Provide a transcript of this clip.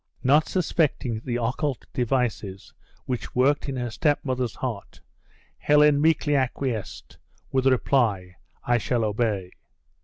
Not suspecting the occult devices which worked in her stepmother's heart, Helen meekly acquiesced, with the reply, "I shall obey."